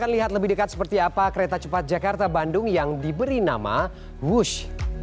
kita lihat lebih dekat seperti apa kereta cepat jakarta bandung yang diberi nama wush